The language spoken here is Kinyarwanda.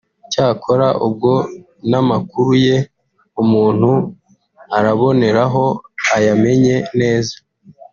cyakora ubwo n’amakuru ye umuntu araboneraho ayamenye neza